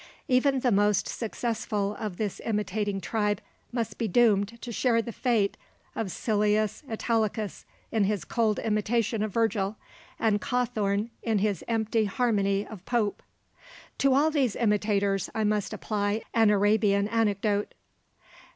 Even the most successful of this imitating tribe must be doomed to share the fate of Silius Italicus, in his cold imitation of Virgil, and Cawthorne in his empty harmony of Pope. To all these imitators I must apply an Arabian anecdote.